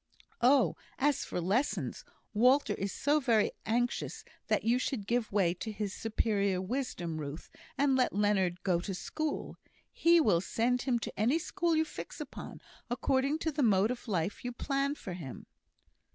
"Oh, as for lessons, Walter is so very anxious that you should give way to his superior wisdom, Ruth, and let Leonard go to school. He will send him to any school you fix upon, according to the mode of life you plan for him."